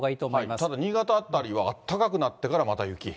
ただ、新潟辺りはあったかくなってからまた雪。